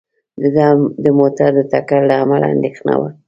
د ده د موټر د ټکر له امله اندېښنه وه.